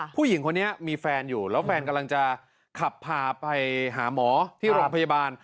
ผู้หญิงคนนี้มีแฟนอยู่แล้วแฟนกำลังจะขับพาไปหาหมอที่โรงพยาบาล